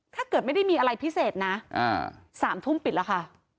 ถ้าเกิดไม่ได้มีอะไรพิเศษนะ๓ทุ่มปิดแล้วค่ะ